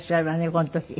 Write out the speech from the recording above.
この時。